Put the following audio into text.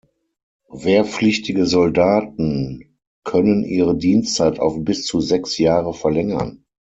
Wehrpflichtige Soldaten können ihre Dienstzeit auf bis zu sechs Jahre verlängern.